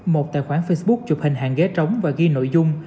một tài khoản facebook chụp hình hàng ghế trống và ghi nội dung